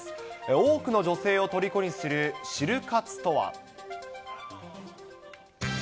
多くの女性をとりこにするシル活とは。